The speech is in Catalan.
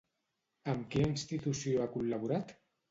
Amb quina institució ha col·laborat?